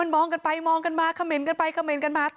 มันมองกันไปมองกันมาคเมนต์กันไปคเมนต์กันมา